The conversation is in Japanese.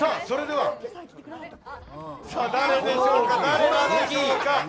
それでは、誰でしょうか。